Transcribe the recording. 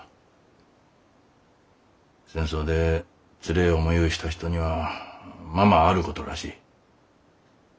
戦争でつれえ思ゆうした人にはままあることらしい。